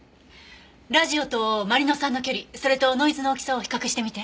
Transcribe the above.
ラジオとまり乃さんの距離それとノイズの大きさを比較してみて。